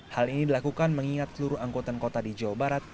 hal ini dilakukan mengingat seluruh angkutan kota di jawa barat